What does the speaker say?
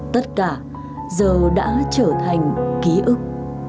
tất cả giờ đã trở thành ký ức